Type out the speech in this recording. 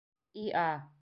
— И-а!